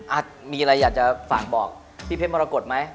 อ่ะมีอะไรอยากจะฝากบอกพี่เพชรมรกฏไหม